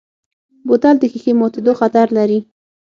بوتل د ښیښې ماتیدو خطر لري.